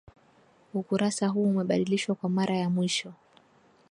Ukurasa huu umebadilishwa kwa mara ya mwisho